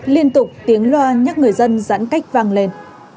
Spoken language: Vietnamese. liên tục tiếng loa nhắc người dân giãn cách vang lên